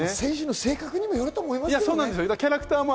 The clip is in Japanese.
選手の性格にもよると思いますけどね。